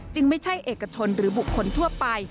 ไม่ใช่เอกชนหรือบุคคลทั่วไป